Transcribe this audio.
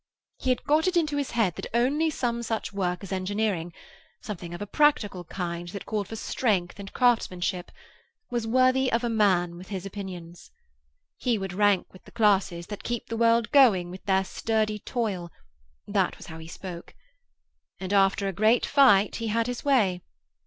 He had got it into his head that only some such work as engineering—something of a practical kind, that called for strength and craftsmanship—was worthy of a man with his opinions. He would rank with the classes that keep the world going with their sturdy toil: that was how he spoke. And, after a great fight, he had his way.